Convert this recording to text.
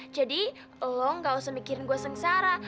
jadi lo gak usah mikirin gue sengsara